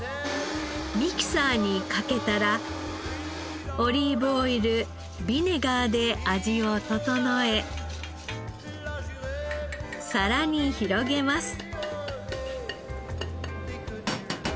ミキサーにかけたらオリーブオイルビネガーで味を調え皿に広げます。